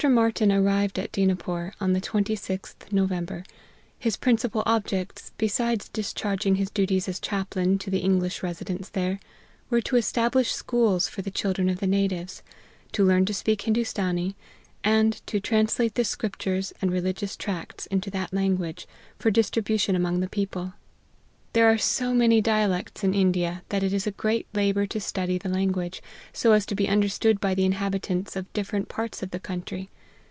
MARTYN arrived at Dinapore, on the 26th November: his principal objects, besides discharg ing his duties as chaplain to the English residents there, were to establish schools for the children of the natives ; to learn to speak Hindoostanee ; and to translate the scriptures and religious tracts into that language, for distribution among the people. 88 LIFE OF HENRY MARTYN. There are so many dialects in India, that it is a great labour to study the language, so as to be un derstood by the inhabitants of different parts of the country.